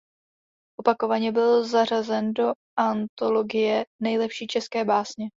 Opakovaně byl zařazen do antologie Nejlepší české básně.